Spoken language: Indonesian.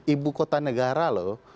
ibu kota negara loh